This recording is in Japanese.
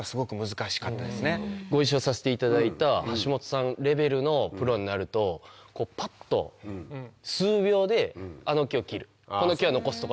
ご一緒させていただいた橋本さんレベルのプロになるとこうパッと数秒であの木を切るこの木は残すとかっていう。